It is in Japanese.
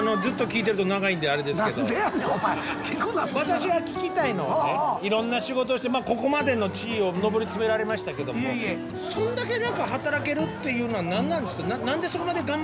私が聞きたいのはねいろんな仕事をしてここまでの地位を上り詰められましたけどもそんだけ何か働けるっていうのは何なんですか？